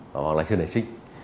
hoặc là chưa nảy sinh